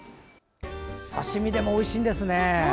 刺身でもおいしいんですね。